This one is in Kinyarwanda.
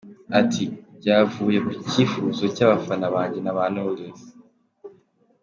Ati, “Byavuye ku cyivuzo cy’abafana banjye n’aba Knowless.